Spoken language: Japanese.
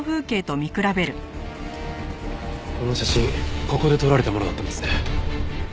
この写真ここで撮られたものだったんですね。